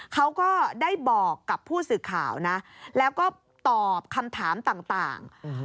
เขาก็ได้บอกกับผู้สื่อข่าวนะแล้วก็ตอบคำถามต่าง